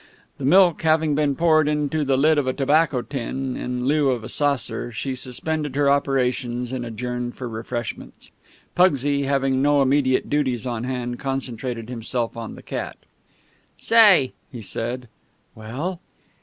The milk having been poured into the lid of a tobacco tin, in lieu of a saucer, she suspended her operations and adjourned for refreshments, Pugsy, having no immediate duties on hand, concentrated himself on the cat. "Say!" he said. "Well?"